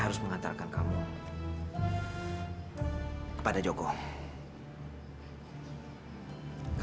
bersedia zamang kami ke kota